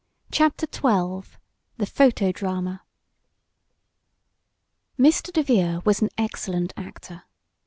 CHAPTER XII THE PHOTO DRAMA Mr. DeVere was an excellent actor.